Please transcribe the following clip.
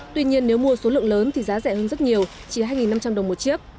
tuy nhiên nếu mua số lượng lớn thì giá rẻ hơn rất nhiều chỉ hai năm trăm linh đồng một chiếc